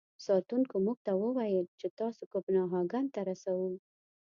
ساتونکو موږ ته و ویل چې تاسو کوپنهاګن ته رسوو.